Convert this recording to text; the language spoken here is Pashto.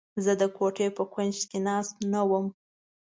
زه د کوټې په کونج کې ناست نه وم.